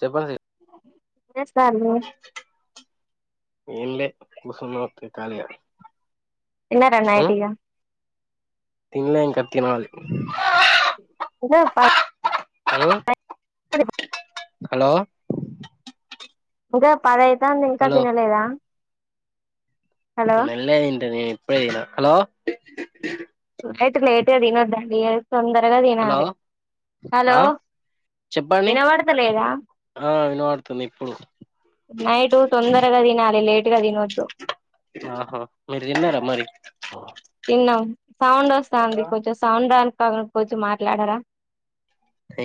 చప్పండి సి ఏం జేస్తాండ్రం ఏం లే కుసున్న ఉర్కె కాలీగా తిన్నారా నైట్ ఇహ తిన్లె ఇంక తినాలి ఇంకా హలో [unintelligible] హలో ఇదొ పదవయితాంది ఇంకా తినలేదా హలో మెల్లిగ తింట నేను ఇప్పుడే తినా హలో ఆయితే లేట్ గా తినొద్దండీ తొందరగా హలో తినాలి హలో ఆ చెప్పండి వినబడతలేదా ఆ వినపడుతుంది ఇప్పుడు నైటు తొందరగా తినాలి లేట్ గా తినొద్దు ఆహా మీరు తిన్నారా మరి తిన్నాం సౌండ్ వస్తాంది కొంచెం సౌండ్రాని పకనకి వచ్చి మాట్లాడరా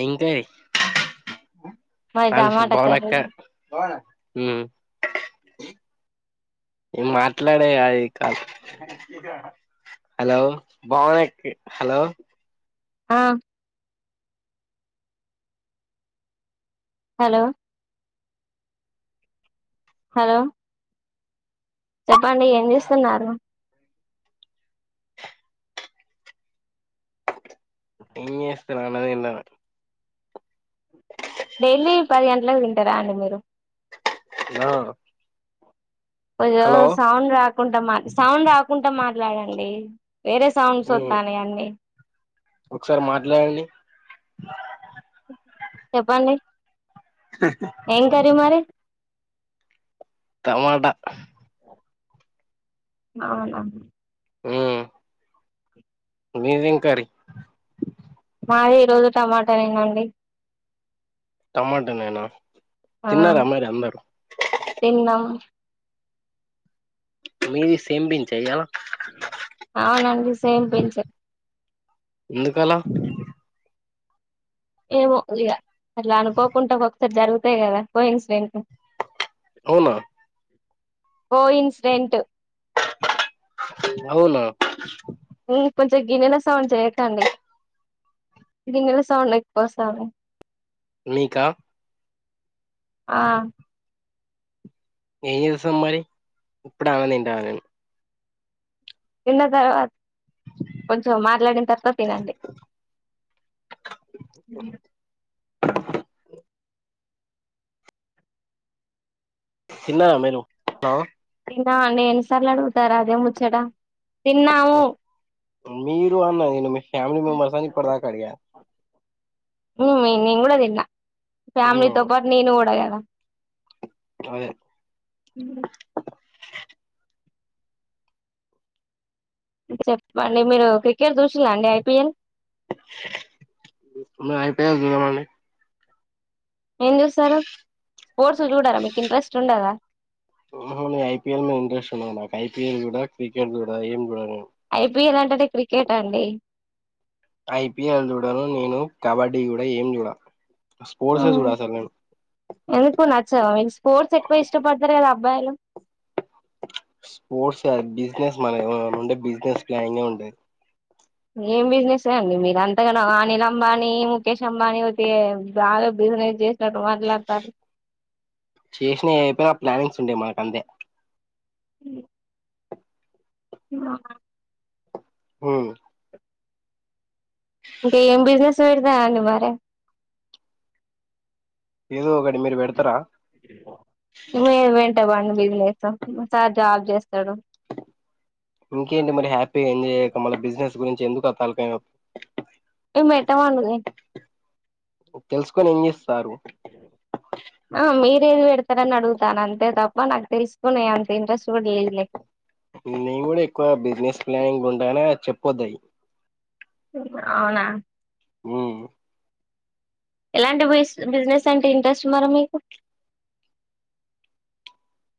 ఇంకెయ్ మాది కాల్ చేషింది టమాటా కర్రీ భువనక్క నేను మాట్లాడేయి అ కాల్ హలో బావనక్కె హలో ఆ హలో హలో చెప్పాండి ఏం చేస్తున్నారు ఏం చేస్తన అన్నదిఇన్నాను డైలీ పది గంటలకు తింటారా అండి మీరు హలో కొంచెం సౌండ్ రాకుండా మా సౌండ్ రాకుంట మాట్లాడండి వేరే సౌండ్స్ వత్తానియండి ఒకసారి మాట్లాడండి చెప్పండి ఏం కర్రీ మరి టమాట అవునా మ్ మీదేంకర్రీ మాది ఈరోజు టమాటాలే వండి టమాటా నేనా ఆ తిన్నారా మరి అందరు తిన్నం మీది సేమ్ పించ ఇయ్యాల అవునండి సేమ్ పించ్ ఎందుకలా అ ఏమో ఇక అట్లా అనుకోకుంట ఒకొ కసారి జరుగుతాయి కదా కోఇన్స్ డెంట్లు అవునా కో ఇన్సిడెంట్ అవునా మ్ కొంచెం గిన్నెల సౌండ్ చేయకండి గిన్నెల సౌండ ఎక్కువ స్తాంది మీకా ఆ ఏం చేస్తం మరి, ఇప్పుడే అన్నం తింటాన్న నేను. తిన్న తర్వా కొంచెం మాట్లాడిన తర్వాత తినండి. అ తిన్నర మీరు? ఆ తిన్నా నే ఎన్ని సార్లు అడుగుతరు అదే ముచ్చట? తిన్నాము మీరు అన్న నేను మీ ఫ్యామిలీ మెంబర్స్ అని ఇప్పుటిదాకా అడిగా. ఉమ్ మే నేను గుడ తిన్నా ఫ్యామిలీతో పాటు నేను గుడా కదా. అదే చెప్పండి మీరు క్రికెట్ చూసిల్లా అండి ఐ పీ ఎల్? నేను ఐ పీ ఎల్ చూడనండి. ఏం చూస్తారు? స్పోర్ట్స్ చూడరా మీకు ఇంట్రెస్ట్ ఉండదా? ఐ పీ ఎల్ జూడ, క్రికెట్ జూడా ఏం చూడ నేను. ఐ పీ ఎల్ అంటేనే క్రికెట్ అండి. ఐ పీ ఎల్ చూడను నేను కబడ్డీ గుడ ఏం జూడ. స్పోర్ట్స్ ఏ జూడ అసల్ నేన్ ఎందుకు నచ్చవా మీ స్పోర్ట్స్ ఎక్కువ ఇష్టపడతరు కదా అబ్బాయిలు. స్పోర్ట్స్ కాదు బిజినెస్ మన ఉండే బిసినెస్ ప్లానింగే ఉండే ఏం బిజినెస్ అండి మీరంతగనం అనిల్ అంబానీ, ముఖేష్ అంబానీ పోతే బాగా బి బిసినెస్ చేస్ చేసినవి అయిపోయిన ఆప్లానింగ్స్ ఉంటయి మనకంతే. ఉ హ ఉమ్ ఇంక ఏం బిజినెస్ పెడతా అండి మరి? ఏదో ఒకటి మీరు పెడతారా ఇంగ వెంట బన్ బిజినెస్సు మా సార్ జాబ్ చేస్తడు. ఇంకేంటి మరి హ్యాపీగా ఎంజాయ్ చేయక మళ్ళ బిజినెస్ గురించి ఎందుకు ఆ తలకాయ నొప్పి? మేట్టమనున్ని సారు ఏది పెడతరని అడుగుతానంతే తప్ప, నాకు తెలుసుకోని అంత ఇంట్రెస్ట్ కూడా లేదు నీకు నేనే చెప్పోదయి అవునా ఉమ్ ఎలాంటి బిస్ బిజినెస్ అంటే ఇంట్రెస్ట్ మరి మీకు?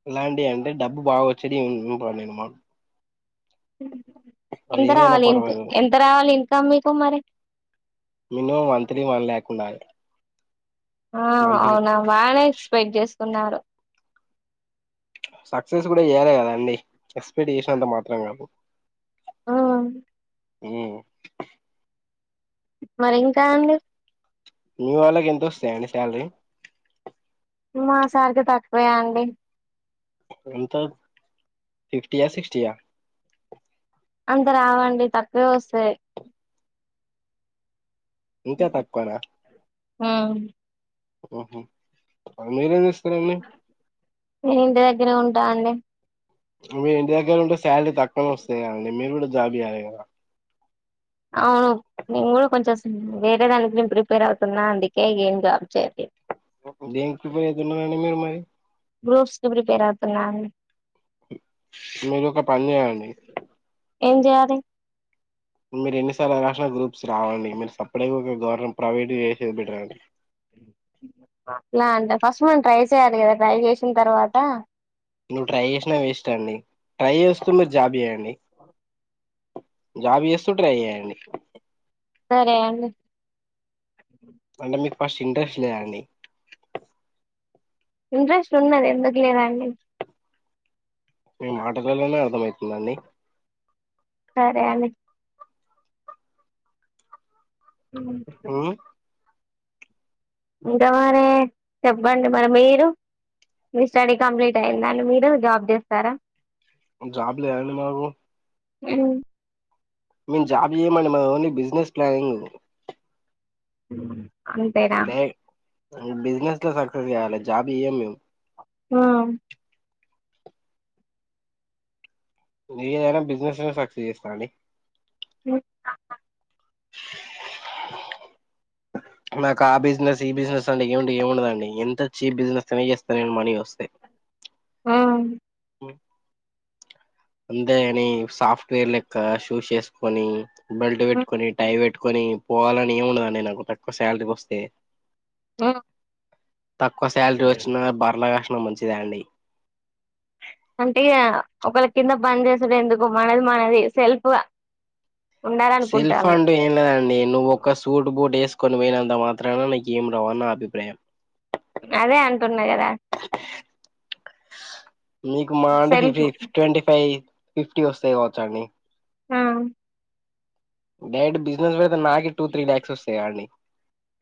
ఎలాంటి అంటే డబ్బు బాగా వచ్చేటి ఇం ఇంపార్టెంట్ మాకు ఎంత ఏదైనా రావాలి ఇంక్ పర్వాలేదు ఎంత రావాలి ఇన్కమ్ మీకు మరి? మినిమం మంత్లీ వన్ లాక్ ఉండాలి. ఆ మంత్లీ అవునా బానే ఎక్స్పెక్ట్ చేసుకున్నారు. సక్సెస్ కూడా చేయలే కదా అండి, ఎక్స్పెక్ట చేసినంత మాత్రం కాదు. ఆ ఉమ్ మరి ఇంకా అండి? మీ వాళ్ళకి ఎంత వస్తాయండి శాలరీ మా సార్ కి తక్కువే అండి ఎంత ఫిఫ్టీ యా సిక్స్టీయా అంత రావండి తక్కువే వస్తాయి ఇంకా తక్కువేనా మ్మ్ ఉహు మీరే చెస్ నేను ఇంటి దగ్గరే ఉంటా అండి మీ ఇంటి దగ్గర ఉంటే శాలరీ తక్కువన వస్తాయి కదండి మీరు కూడా జాబ్ చేయ్యాలి కదా అవును నేను కూడా కొంచెం సే వేరే దానికి నేను ప్రిపేర్ అవుతున్నా అందుకే ఏం జాబ్ చేయలేదు ఉ దేనికి ప్రిపేర్ అయుతున్నారండీ మీరు మరి గ్రూప్స్ కి ప్రిపేర్ అవుతున్న ఆన్ మీరు ఒక పని చే్యండి ఏం చేయాలి మీరు ఎన్నిసార్లు రాసిన గ్రూప్స్ రావండి మీరు సప్పడిగా ఒక గవర్న ప్రైవేట్ చేసేది బెటర్ అండి అట్లా అంటే ఫస్ట్ మనం ట్రై చేయాలి కదా ట్రై చేసిన తర్వాత నువ్వు ట్రై చేసినా వేస్ట్ అండి ట్రై చేస్తూ మీరు జాబ్ చే్యండి జాబ్ చేస్తూ ట్రై చేయండి సరే అండి అంటే మీక్ ఫస్ట్ ఇంట్రెస్ట్ లేదా అండి ఇంట్రెస్ట్ ఉన్నది ఎందుకు లేదండి మీ మాటలలోనే అర్థమయితుందండి సరే అండి ఉ ఉమ్, ఇంకా మరి చెప్పండి మరి మీరు మీ స్టడీ కంప్లీట్ అయ్యిందా అండి మీరు జాబ్ చేస్తారా జాబ్ లేదండి మాకు ఉ మేం జాబ్ చేయమండి మాది ఓన్లీ బిజినెస్ ప్లానింగ్ ఉ అంతేనా ఉ బిజినెస్ లో సక్సెస్ చేయాలి జాబ్ చెయ్యం మేం ఆ బిఎ బిసినెస్ సక్సస్ చేస్తాండి ఉ అ నాకు ఆ బిజినెస్ ఈ బిజినెస్ అంటూ ఏమి ఏమిముండదండి ఎంత చీప్ బిజినెస్ అయినా చేస్తా నేను మనీ వస్తే ఆ అంతే అని సాఫ్ట్వేర్ లెక్క షూస్ చేసుకొని బెల్ట్ పెట్టుకొని టై పెట్టుకొని పోవాలని ఏమిండదండి నాకు తక్కువ శాలరీ వస్తే ఆ తక్కువ శాలరీ వచ్చిన బర్రలా కాసిన మంచిదా అండి అంటే ఒకళ కింద పని చేసుడు ఎందుకు మనది మనది సెల్ఫ్గా సెల్ఫ్ అండు ఏం లేదండి నువ్్వ ఒక సూట్ బూట్ వేసు కొన్ని వేలంతా మాత్రాన నాకి ఏం రావున్న నా అభిప్రాయం అదే అంటున్నా కదా మీకు మా అంటే సెల్ఫ్ ఇది ఫిఫ్టీ ట్వంటీ ఫైవ్ ఫిఫ్టీ వస్తాయి కావచ్చా అండి ఆ డైరెక్టు బిజినెస్ పెడితె నాకే టూ త్రీ ల్యాక్సొస్తయిగా అండి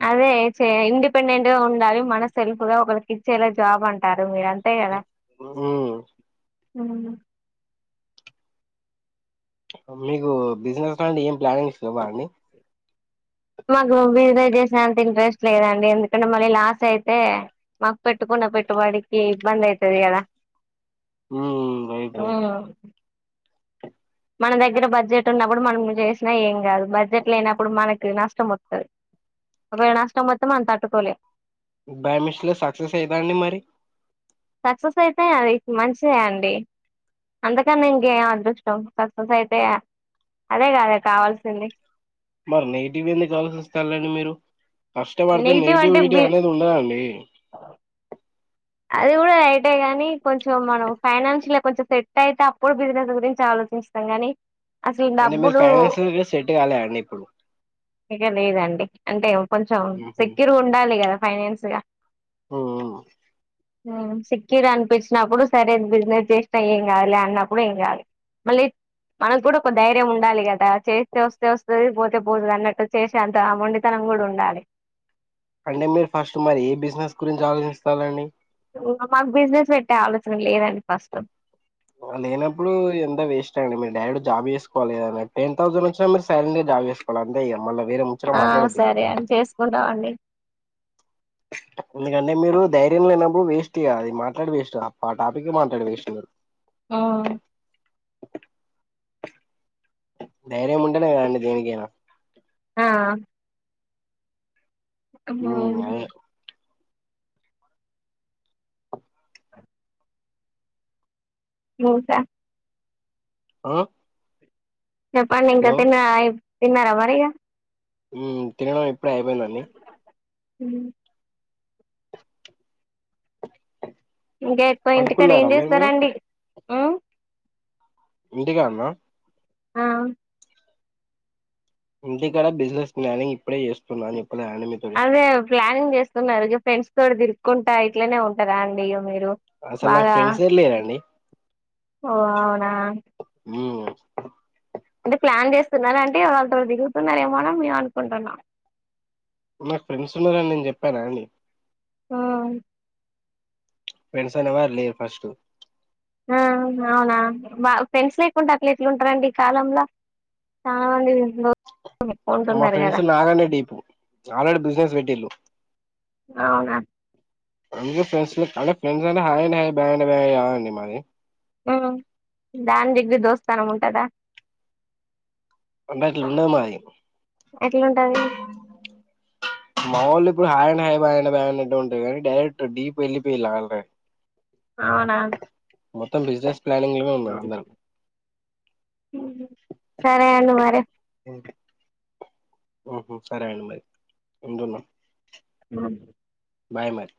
అదే చే ఇండిపెండెంట్గా ఉండాలి మన సెల్ఫ్గా ఒకరికిచ్చేలా జాబ్ అంటారు మీరుంత చెప్పూ ఉ అ మీకూ బిజినెస్ లాంటి ఏం ప్లానింగ్స్ లెవ్వాండి మాకు బిజినే జేసేంత ఇంట్రెస్ట్ లేదండి ఎందుకంటే మళ్ళీ లాస్ అయితే మాక్ పెట్టుకు న్న పెట్టుబడికీ ఇబ్బందైతది గద ఊమ్ రైట్ రైటు మన దగ్గర బడ్జెటున్నప్పుడు మనం జేష్నా ఏంగాదు బడ్జెట్ లేనప్పుడు మనకు నష్టం వొత్తది ఒకవేళ నష్టం వొత్తె మనం తట్టుకోలేం బై మిస్టేక్ సక్సెస్ అయితే అండి మరి సక్సెసయితే అది మంచిదే అండి అంతకన్న ఇంకేం అదృష్టం సక్ససైతే య అదే గద కావాల్సింది మరి నెగిటివెందుకాలోస్తాళ్ళండి మీరు కష్టపడితే నెగిటివ్ అంటే నెగిటివిటీ బి అనేదుండదండీ అది గూడ రైటే గనీ కొంచెం మనం ఫైనాన్షియల్ కొంచం సెట్టయితే అప్పుడు బిజినెస్ గురించి ఆలో చిస్తంగని అంటె మీరు ఫైనాన్షియల్గా సెట్టుగాలే అండి ఇప్పుడు ఇగ లేదండి అంటే కొంచం మ్మ్ సెక్యూర్గుండాలి గదా ఫైనాన్స్గా ఊ సెక్యూరనిపిచ్చినప్పుడు సరే బిజినెస్ జేష్నా ఏంగాదులే అన్నప్పుడు ఏంగాదు మళ్ళీ మనగ్గూడా ఒక ధైర్యం ఉండాలి గదా చేస్తె వస్తే వస్తది పోతే పోతదన్నట్టు చేసే అంత ఆ మొండితనం కూడుండాలి అంటే మీరు ఫస్ట్ మరి ఏ బిజినెస్ గురించి ఆలోచిస్తాల్లండి అ మాకు బిజినెస్ పెట్టే ఆలోచన లేదండి ఫస్టు లేనప్పుడు ఇదంతా వేస్టండి మీరు డైరెక్టు జాబ్ చేసుకోవాలే ఏదన్న టెన్ థౌసండ్ తె మీరు సైలెంట్గా జాబ్ జేసుకోలంతే ఇగ వేరే ముచ్చట ఆ మాట్లాడొద్దు ఇగ సరే అండి చేసుకుంటావండి ఎందుకంటే మీరూ ధైర్యం లేనప్పుడు వేస్టిగా అది మాట్లాడి వేస్ట్ ఆ టాపికే మాట్లాడి వేస్ట్ ఆ ధైర్యం ఉంటనే గదండి దేనికైనా ఆ ఒక్క మా ఉమ్ అదే క్లోజా ఆ చెప్పండింఇంక హలో తిన్నరా తిన్నారా మరిగ ఊ తినడం ఇప్పుడే అ యిపొయిందండి ఊ ఇంకా ఎక్కువ ఇంటికాడ పడుకున్నారా మీరు మీరు ఏంజేస్తరండి ఇంటికాన్నా ఆ ఇంటికాడ బిజినెస్ మ్యానింగ్ ఇప్పుడే జేస్తున్నాను అదే ప్లానింగ్ చేస్తున్నారు ఇగ ఫ్రెండ్స్ తో తిరుక్కుంటా ఇట్లనే ఉంటారా అండి ఇగ మీరు ఉ అసలు నాకు బాగా ఫ్రెండ్సే లేరండి ఓ అవునా ఓ అంటే ప్లాన్ చేస్తున్నార అంటే వాళ్లతో దిగుతున్నారేమోన మేము అనుకుంటున్నా నాకు ఫ్రెండ్స్ ఉన్నారని నేను చెప్పాయన అండి ఆ ఫ్రెండ్స్ అనేవారు లేరు ఫస్ట్ ఆ అవునా బ పెన్స్ లేకుండా అట్ల ఎట్లు ఉంటారంండి ఈ కాలంలో చాలామంది తెలుసు మా ఫ్రెడ్స్ నాగానే అంటే ఆల్రెడీ బిజినెస్ పెట్టిల్లు అవునా అ ఫ్రెస్ ఫ్రెంస్లు అంటే ఫ్రెండ్స్ అంటే హాయ్ అంటే హాయ్ బాయ్ అంటే బాయ్ కాదు అండి మాది ఉ జాన్ జిగ్రీ దోస్తానం ఉంటందా అంటే అట్లుండదు మాది ఎట్లుంటది మా ఒళ్ళు ఇప్పుడు హాయ్ అంటే హాయ్ అన్నట్టు బాయ్ అంటే బాయ్ అన్నట్టు ఉంటుంది కానీ డైరెక్ట్ డీప్ ఎల్లిపోయిల్లో ఆల్రెడీ అవునా మొత్తం బిజినెస్ ప్లానింగ్ లో ఉన్నారు అందరూ ఉహు సరే అండి మరి ఉహు సరే అండి మరి ఉందున్న మం బాయ్ మరి